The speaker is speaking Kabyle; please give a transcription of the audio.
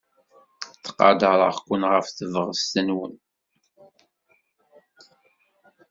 Ttqadareɣ-ken ɣef tebɣest-nwen.